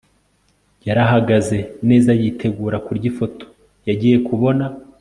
yarahagaze neza yitegura kurya ifoto yagiye kubona